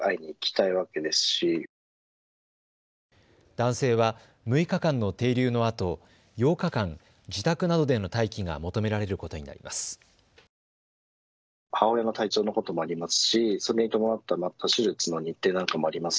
男性は６日間の停留のあと、８日間、自宅などでの待機が求められることになります。